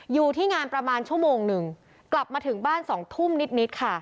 อยู่ที่งานประมาณชั่วโมงหนึ่งกลับมาถึงบ้านสองทุ่มนิดค่ะ